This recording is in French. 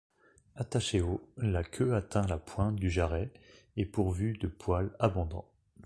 Attachée haut, la queue atteint la pointe du jarret et pourvue de poil abondant.